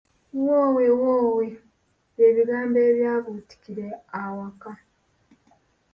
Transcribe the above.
Woowe woowe bye bigambo ebyabuutikira awaka.